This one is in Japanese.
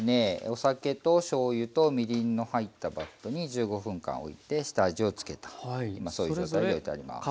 お酒としょうゆとみりんの入ったバットに１５分間おいて下味をつけた今そういう状態でおいてあります。